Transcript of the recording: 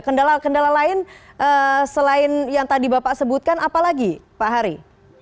kendala kendala lain selain yang tadi bapak sebutkan apa lagi pak hari